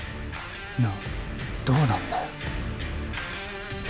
なあどうなんだよ？